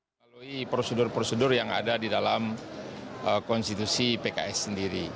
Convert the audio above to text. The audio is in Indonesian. melalui prosedur prosedur yang ada di dalam konstitusi pks sendiri